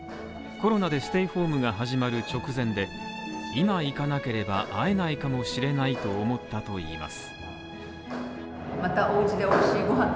コロナでステイホームが始まる直前で今行かなければ会えないかもしれないと思ったといいます。